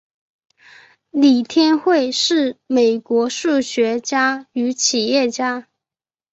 李天惠是美国数学家与企业家。